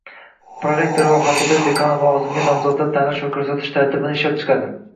prorektori va fakultet dekani lavozimiga nomzodlarni tanlash va ko`rsatish tartibini ishlab chiqadi